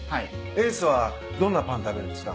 エースはどんなパン食べるんですか？